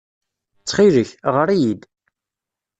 Ttxil-k, ɣer-iyi-d.